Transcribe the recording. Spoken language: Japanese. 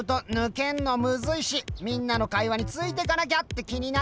みんなの会話についていかなきゃって気になっちゃうしね！